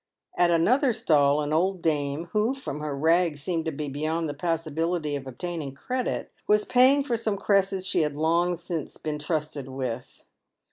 At another stall an old dame, who, from her rags seemed to be beyond the possibility of obtaining credit, was paying for some cresses she had long since been trusted with.